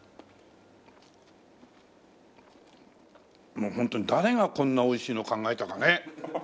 もうホントに誰がこんなおいしいの考えたかね。